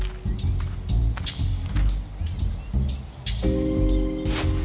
kau hanya ingin mengetahui kebenaran